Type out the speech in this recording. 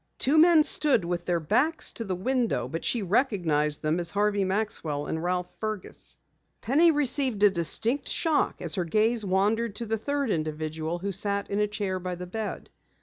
Two men stood with their backs to the window, but she recognized them as Harvey Maxwell and Ralph Fergus. Penny received a distinct shock as her gaze wandered to the third individual who sat in a chair by the bed.